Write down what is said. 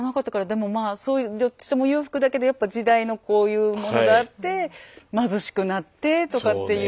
でもそういうどっちとも裕福だけどやっぱ時代のこういうものがあって貧しくなってとかっていう。